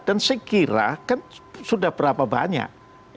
dan sekiranya sudah berapa banyak